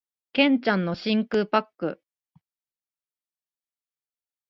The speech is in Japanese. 剣ちゃんの真空パック